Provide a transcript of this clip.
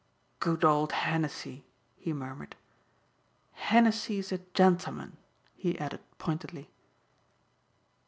"Good old Henessey!" he murmured. "Henessey's a gentleman," he added pointedly.